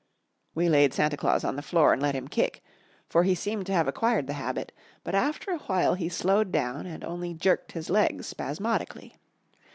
We laid Santa Claus on the floor and let him kick, for he seemed to have acquired the habit, but after awhile he slowed down and only jerked his legs spasmodically.